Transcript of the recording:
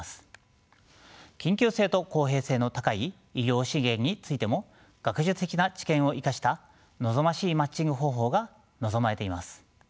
緊急性と公平性の高い医療資源についても学術的な知見を生かした望ましいマッチング方法が望まれています。